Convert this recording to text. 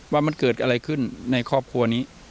ว่ามันเกิดอะไรขึ้นในครอบครัวนี้